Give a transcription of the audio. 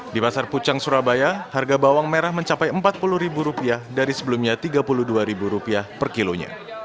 di pasar pucang surabaya harga bawang merah mencapai rp empat puluh dari sebelumnya rp tiga puluh dua per kilonya